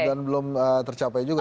dan belum tercapai juga